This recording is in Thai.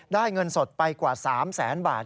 เงินสดไปกว่า๓แสนบาท